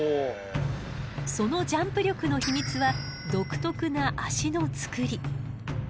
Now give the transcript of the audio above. そのジャンプ力の秘密は独特な脚のつくり。